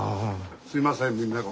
すいませんみんな。